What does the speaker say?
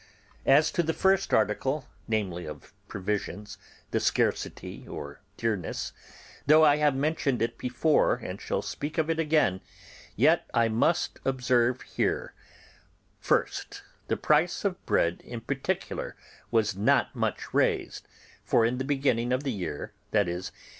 As to the first article (namely, of provisions, the scarcity or dearness), though I have mentioned it before and shall speak of it again, yet I must observe here:— (1) The price of bread in particular was not much raised; for in the beginning of the year, viz.